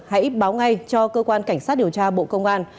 hãy báo ngay cho cơ quan cảnh sát điều tra bộ công an